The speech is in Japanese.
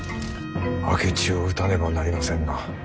明智を討たねばなりませんな。